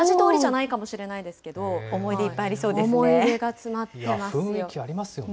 同じ通りじゃないかもしれないで思い出いっぱいありそうです